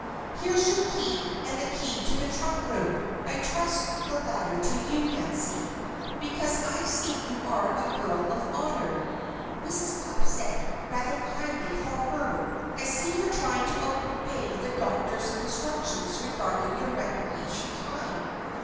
"Here's your key and the key to the trunk room. I trust the latter to you, Nancy, because I see you are a girl of honor," Mrs. Cupp said, rather kindly for her. "I see you are trying to obey the doctor's instructions regarding your recreation time.